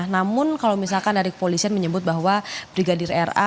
namun kalau misalkan dari kepolisian menyebut bahwa brigadir ra